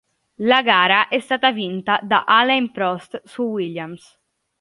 La gara è stata vinta da Alain Prost su Williams.